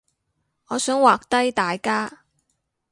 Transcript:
我想畫低大家